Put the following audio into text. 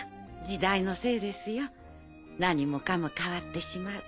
時代のせいですよ何もかも変わってしまう。